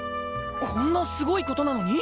こんなすごい事なのに！？